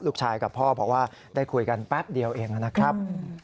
กับพ่อบอกว่าได้คุยกันแป๊บเดียวเองนะครับ